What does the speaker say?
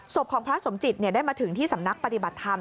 ศพของพระสมจิตได้มาถึงที่สำนักปฏิบัติธรรม